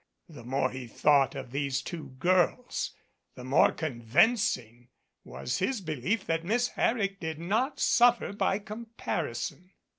The more he thought of these two girls, the more convincing was his belief that Miss Herrick did not suffer by the comparison.